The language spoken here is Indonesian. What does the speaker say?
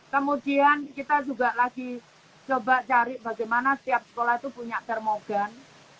kemudian kita juga lagi coba cari bagaimana setiap sekolah itu punya termogan